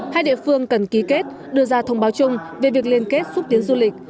hai địa phương cần ký kết đưa ra thông báo chung về việc liên kết xúc tiến du lịch